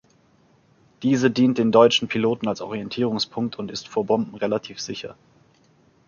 Diese dient den deutschen Piloten als Orientierungspunkt, und ist vor Bomben relativ sicher.